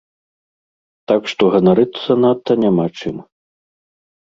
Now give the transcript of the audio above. Так што ганарыцца надта няма чым.